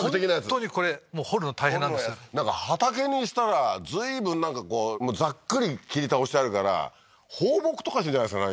本当にこれ掘るの大変なんですなんか畑にしたら随分ざっくり切り倒してあるから放牧とかしてんじゃないですか？